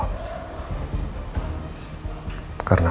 membuka kej scan